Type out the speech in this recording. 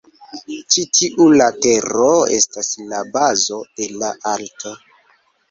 Ĉi tiu latero estas la "bazo" de la alto.